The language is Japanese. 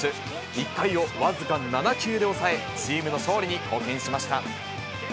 １回を僅か７球で抑え、チームの勝利に貢献しました。